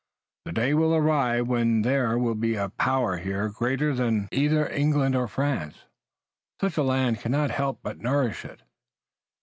The day will arrive when there will be a power here greater than either England or France. Such a land cannot help but nourish it."